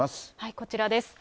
こちらです。